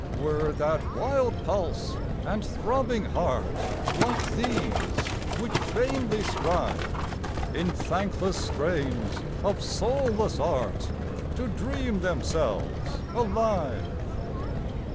Were that wild pulse and throbbing heart Like these, which vainly strive, In thankless strains of soulless art, To dream themselves alive?